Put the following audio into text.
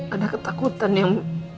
ada ketakutan yang